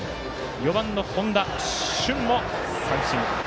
４番の本多駿も三振。